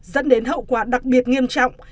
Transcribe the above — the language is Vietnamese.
dẫn đến hậu quả đặc biệt nghiêm trọng